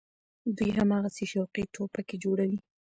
دوى هماغسې شوقي ټوپکې جوړوي.